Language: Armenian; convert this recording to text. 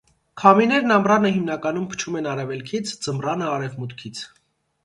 Քամիներն ամռանը հիմնականում փչում են արևելքից, ձմռանը՝ արևմուտքից։